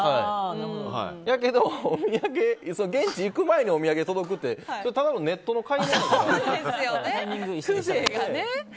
やけど、現地に行く前にお土産届くってただのネットの買い物やから。